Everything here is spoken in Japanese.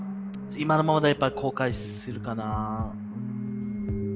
今のままではやっぱり後悔するかな。